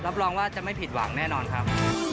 รองว่าจะไม่ผิดหวังแน่นอนครับ